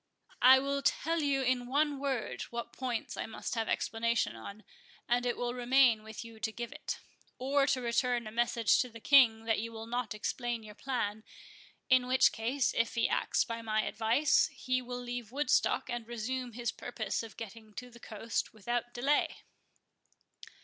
I will tell you in one word what points I must have explanation on; and it will remain with you to give it, or to return a message to the King that you will not explain your plan; in which case, if he acts by my advice, he will leave Woodstock, and resume his purpose of getting to the coast without delay."